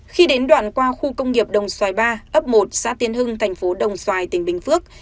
khi đến đoạn qua khu công nghiệp đồng xoài ba ấp một xã tiên hưng thành phố đồng xoài tỉnh bình phước